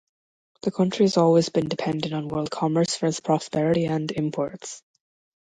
The country has always been dependent on world commerce for its prosperity and imports.